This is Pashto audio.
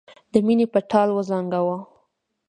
د مینې په ټال وزنګاوه.